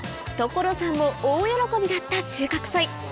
所さんも大喜びだった収穫祭